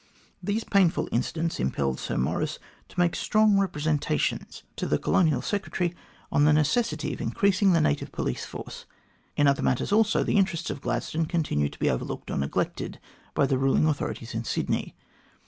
These painful incidents impelled Sir Maurice to make strong representations to the Colonial 144 THE GLADSTONE COLONY Secretary on the necessity of increasing the native police force. In other matters also the interests of Gladstone continued to be overlooked or neglected by the ruling authorities in Sydney.